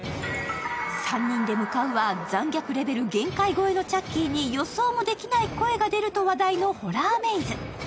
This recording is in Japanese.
３人で向かうは残虐レベル限界超えのチャッキーに予想もできない声が出ると話題のホラーメイズ。